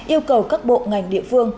yêu cầu các bộ ngành địa phương